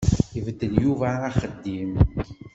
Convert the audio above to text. Ibeddel Yuba axeddim.